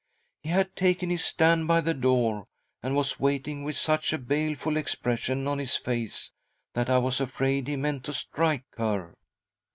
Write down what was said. He had taken his stand by the door, and was waiting with such a baleful expression on his face that I was afraid he meant to strike her.